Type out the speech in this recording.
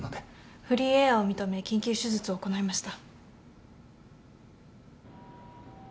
フリーエアを認め緊急手術を行いました。